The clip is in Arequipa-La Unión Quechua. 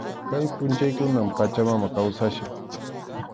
Kay pʼunchawkunam Pachamama kawsachkan.